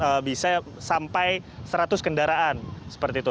sehingga bisa sampai seratus kendaraan seperti itu